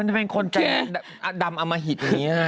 มันจะเป็นคนแหน่งดำอามหิดอย่างนี้